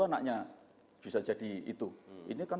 anaknya bisa jadi itu ini kan